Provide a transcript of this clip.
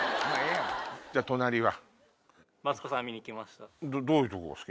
じゃあ隣は？